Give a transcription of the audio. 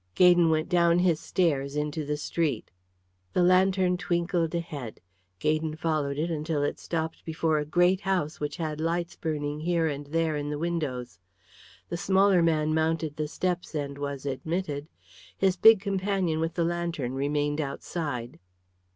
Gaydon went down his stairs into the street. The lantern twinkled ahead; Gaydon followed it until it stopped before a great house which had lights burning here and there in the windows. The smaller man mounted the steps and was admitted; his big companion with the lantern remained outside.